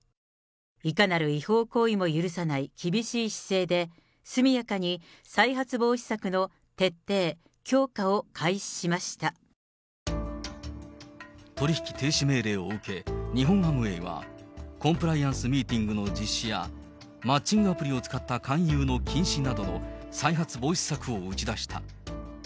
いかなる違法行為も許さない厳しい姿勢で、速やかに再発防止策の徹底、取引停止命令を受け、日本アムウェイはコンプライアンス・ミーティングの実施や、マッチングアプリを使った勧誘の禁止などの再発防止策を打ち出した。